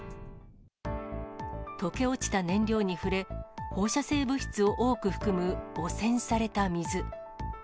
溶け落ちた燃料に触れ、放射性物質を多く含む汚染された水。